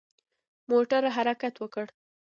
موټر حرکت وکړ.